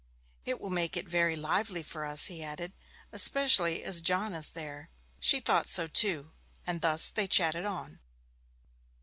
'It will make it very lively for us,' he added, 'especially as John is there.' She thought so too, and thus they chatted on.